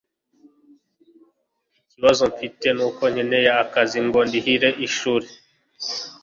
Ikibazo mfite nuko nkeneye akazi ngo ndihire ishuri